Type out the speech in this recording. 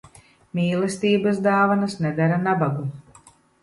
Mīlestības dāvanas nedara nabagu.